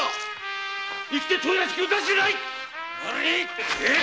生きて当屋敷を出すでない！